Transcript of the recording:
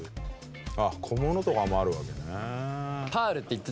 あっ小物とかもあるわけね。